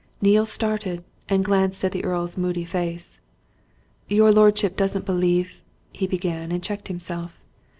Neale started and glanced at the Earl's moody face. "Your lordship doesn't believe ?" he began, and checked himself.